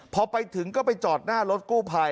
พอไปถึงก็ไปจอดหน้ารถกู้ภัย